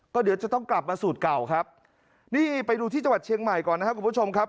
ก็เดี๋ยวจะต้องกลับมาสูตรเก่าครับนี่ไปดูที่จังหวัดเชียงใหม่ก่อนนะครับคุณผู้ชมครับ